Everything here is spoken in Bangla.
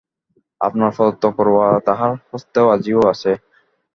আপনার প্রদত্ত করোয়া তাহার হস্তে আজিও আছে।